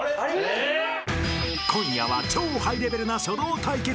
［今夜は超ハイレベルな書道対決］